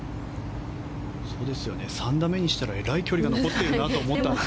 ３打目にしたらえらい距離が残ってるなと思ったので。